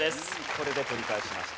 これで取り返しました。